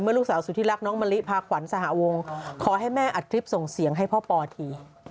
ลูกสาวสุธิรักน้องมะลิพาขวัญสหวงขอให้แม่อัดคลิปส่งเสียงให้พ่อปอที